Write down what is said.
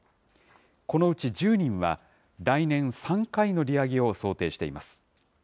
このうち１０人は、来年３回の利上げを想定しています。